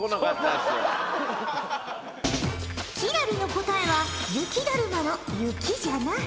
輝星の答えは雪だるまの「雪」じゃな。